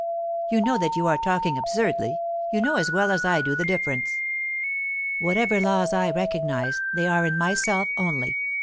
"You know that you are talking absurdly. You know as well as I do the difference." "Whatever laws I recognize, they are in myself only.